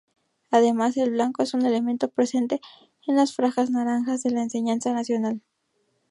Además, el blanco es un elemento presente en las franjas de la enseña nacional.